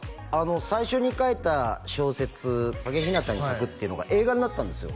最初に書いた小説「陰日向に咲く」っていうのが映画になったんですよ